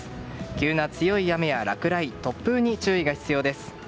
急な強い雨や落雷、突風に注意が必要です。